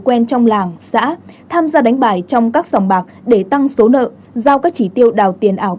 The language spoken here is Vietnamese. quen trong làng xã tham gia đánh bài trong các sòng bạc để tăng số nợ giao các chỉ tiêu đào tiền ảo